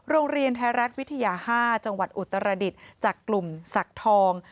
โรงเรียนไทยรัฐวิทยา๕จังหวัดอุตรดิษฐ์จากกลุ่มศักดิ์ทอง